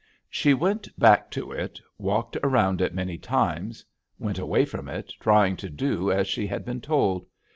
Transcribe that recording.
She went back to it, walked around it many times, went away from it, trying to do as she had been told.